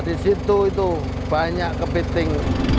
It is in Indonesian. disitu itu banyak kepiting